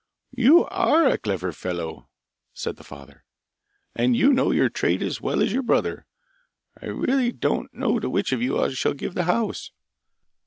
'You are a clever fellow!' said the father, 'and know your trade as well as your brother. I really don't know to which of you I shall give the house.